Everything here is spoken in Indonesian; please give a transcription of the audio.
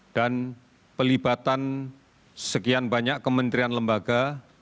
dan pelibatan sekian banyak kementerian lembaga